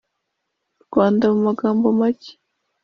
Rwanda mu magambo make